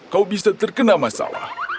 kau bisa terkena masalah